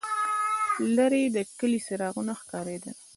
لرې د کلي څراغونه ښکارېدل.